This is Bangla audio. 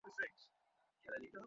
কিছু বানিয়ে দিচ্ছি তোকে।